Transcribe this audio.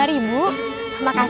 terima kasih ya